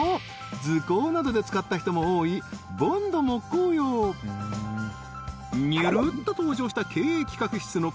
図工などで使った人も多いボンド木工用にゅるっと登場した経営企画室の小林さん